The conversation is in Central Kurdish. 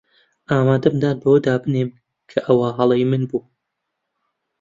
ئامادەم دان بەوەدا بنێم کە ئەوە هەڵەی من بوو.